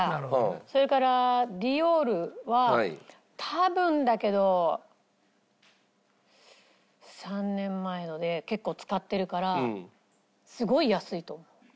それからディオールは多分だけど３年前ので結構使ってるからすごい安いと思う。